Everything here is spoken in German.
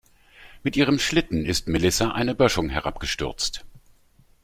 Mit ihrem Schlitten ist Melissa eine Böschung herabgestürzt.